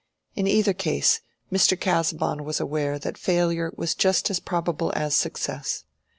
In either case Mr. Casaubon was aware that failure was just as probable as success.